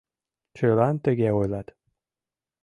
— Чылан тыге ойлат...